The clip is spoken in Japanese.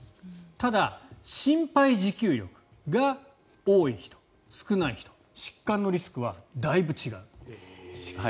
ただ、心肺持久力が多い人少ない人、疾患のリスクはだいぶ違ってくる。